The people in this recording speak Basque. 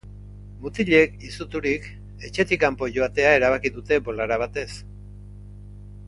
Mutilak, izuturik, etxetik kanpo joatea erabakiko dute bolada batez.